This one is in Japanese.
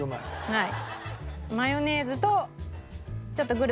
はい。